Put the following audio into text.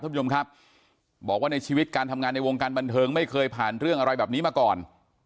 บอกว่าในชีวิตการทำงานในวงการบันเทิงไม่เคยผ่านเรื่องอะไรแบบนี้มาก่อน